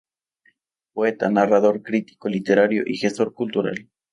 Poeta, Narrador, Crítico Literario y Gestor Cultural.